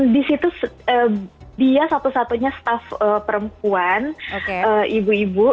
di situ dia satu satunya staff perempuan ibu ibu